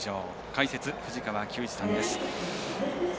解説、藤川球児さんです。